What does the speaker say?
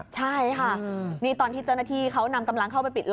ใช่ค่ะนี่ตอนที่เจ้าหน้าที่เขานำกำลังเข้าไปปิดล้อ